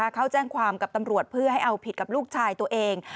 เขาแจ้งความกับตำรวจเพื่อให้เอาผิดกับลูกชายตัวเอง